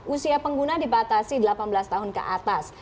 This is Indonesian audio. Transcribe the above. usia pengguna dibatasi delapan belas tahun ke atas